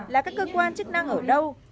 là các cơ quan chức năng ở đâu